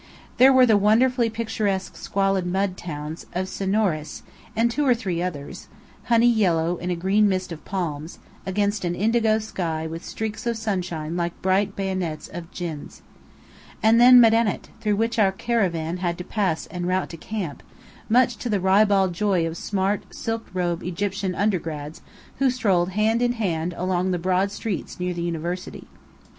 There were the wonderfully picturesque squalid mud towns of Senoures and two or three others, honey yellow in a green mist of palms, against an indigo sky with streaks of sunshine like bright bayonets of Djinns. And then Medinet, through which our caravan had to pass en route to camp, much to the ribald joy of smart, silk robed Egyptian "undergrads" who strolled hand in hand along the broad streets near the University.